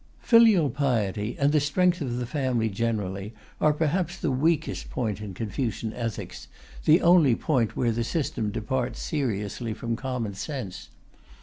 Filial piety, and the strength of the family generally, are perhaps the weakest point in Confucian ethics, the only point where the system departs seriously from common sense.